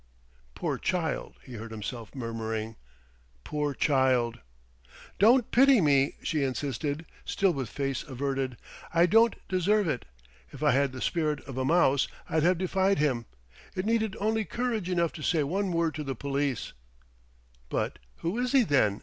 "Poor child!" he heard himself murmuring "poor child!" "Don't pity me!" she insisted, still with face averted. "I don't deserve it. If I had the spirit of a mouse, I'd have defied him; it needed only courage enough to say one word to the police " "But who is he, then?"